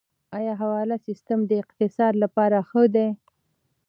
آیا حواله سیستم د اقتصاد لپاره ښه دی؟